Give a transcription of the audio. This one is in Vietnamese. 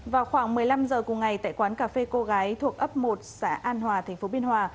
vào khoảng một mươi năm giờ cùng ngày tại quán cà phê cô gái thuộc ấp một xã an hòa thành phố biên hòa